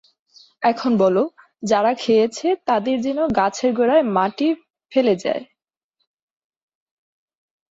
এখন বলো, যারা খেয়েছে তারা যেন গাছের গোড়ায় মাটি ফেলে যায়।